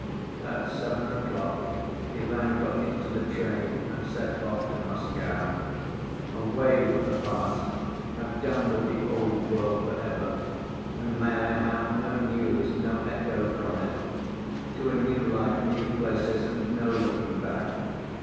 At seven o'clock Ivan got into the train and set off to Moscow "Away with the past. I've done with the old world for ever, and may I have no news, no echo, from it. To a new life, new places and no looking back!"